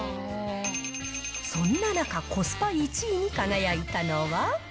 そんな中、コスパ１位に輝いたのは。